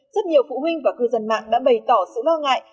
rất nhiều phụ huynh và cư dân mạng đã bày tỏ sự lo ngại